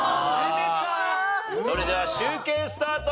それでは集計スタート。